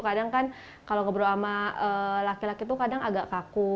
kadang kan kalau ngobrol sama laki laki itu kadang agak kaku